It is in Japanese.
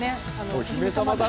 お姫様だ